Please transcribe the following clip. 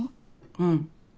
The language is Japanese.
うん。